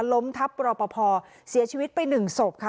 ล้มทับรอปภเสียชีวิตไปหนึ่งศพค่ะ